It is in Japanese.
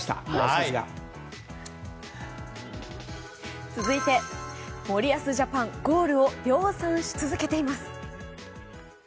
さすが！続いて、森保ジャパンゴールを量産し続けています。